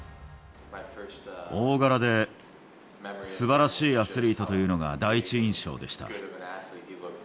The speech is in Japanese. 大柄ですばらしいアスリートというのが第一印象でした。